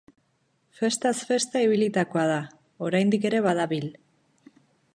Festaz festa ibilitakoa da, oraindik ere badabil.